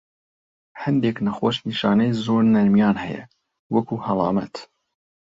هەندێک نەخۆش نیشانەی زۆر نەرمیان هەیە، وەکو هەڵامەت.